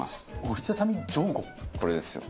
これですよ。